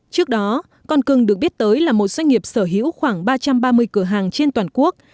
trước đó con cưng được biết tới là một doanh nghiệp sở hữu khoảng ba trăm ba mươi cửa hàng trên toàn quốc